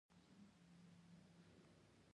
افغانستان کې د پسونو لپاره دپرمختیا پروګرامونه شته.